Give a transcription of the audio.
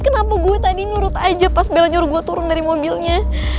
kenapa gue tadi nurut aja pas bella nyuruh gue turun dari mobilnya